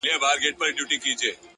اخلاص د عمل روح دی